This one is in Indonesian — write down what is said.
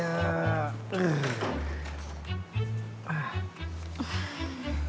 ternyata kabur tuh gak enak ya